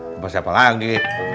bapak siapa lagi